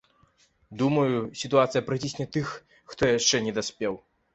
Думаю, сітуацыя прыцісне тых, хто яшчэ не даспеў.